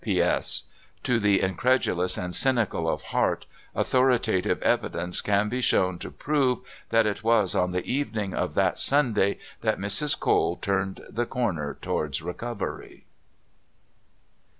P.S. To the incredulous and cynical of heart authoritative evidence can be shown to prove that it was on the evening of that Sunday that Mrs. Cole turned the corner towards recovery.